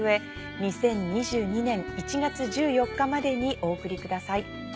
２０２２年１月１４日までにお送りください。